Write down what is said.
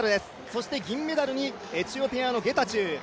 そして銀メダルにエチオピアのゲタチュー。